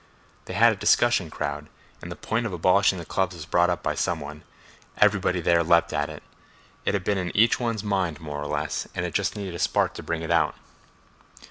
They had a 'discussion crowd' and the point of abolishing the clubs was brought up by some one—everybody there leaped at it—it had been in each one's mind, more or less, and it just needed a spark to bring it out."